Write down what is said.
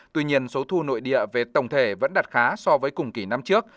tuy nhiên số thu nội địa về tổng thể vẫn đạt khá so với cùng kỷ năm trước